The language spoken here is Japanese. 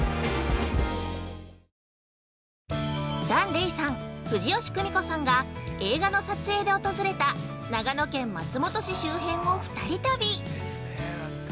◆檀れいさん、藤吉久美子さんが映画の撮影で訪れた長野県松本市周辺を２人旅！